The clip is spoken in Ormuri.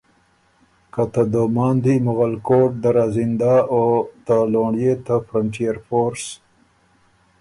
که ته دوماندی، مغلکوټ، دره زنده او ته لونړيې ته فرنټئر فورس